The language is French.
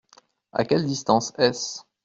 À quelle distance est-ce ?